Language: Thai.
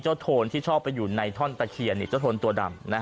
เจ้าโทรที่ชอบไปอยู่ในท่อนตะเขียนตัวดำ